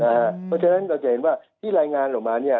เพราะฉะนั้นเราจะเห็นว่าที่รายงานออกมาเนี่ย